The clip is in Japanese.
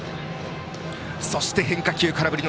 そして変化球、空振り。